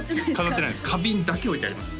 花瓶だけ置いてあります